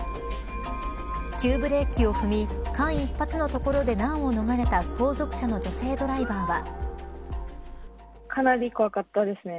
急ブレーキを踏み間一髪のところで難を逃れた後続車の女性ドライバーは。